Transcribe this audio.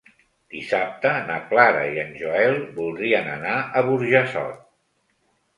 Dissabte na Clara i en Joel voldrien anar a Burjassot.